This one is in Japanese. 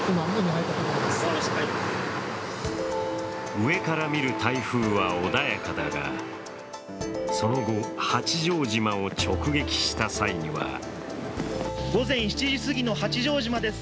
上から見る台風は穏やかだが、その後、八丈島を直撃した際には午前７時すぎの八丈島です。